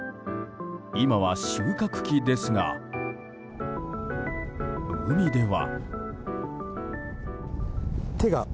今は収穫期ですが、海では。